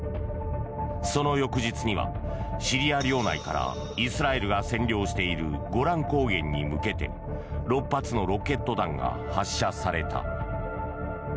その翌日には、シリア領内からイスラエルが占領しているゴラン高原に向けて６発のロケット弾が発射された。